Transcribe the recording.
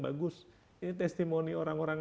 bagus ini testimoni orang orang